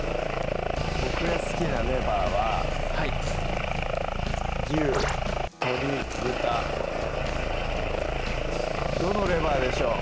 僕が好きなレバーははい牛・鶏・豚どのレバーでしょう？